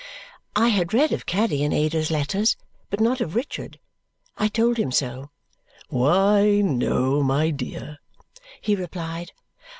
I had read of Caddy in Ada's letters, but not of Richard. I told him so. "Why, no, my dear," he replied.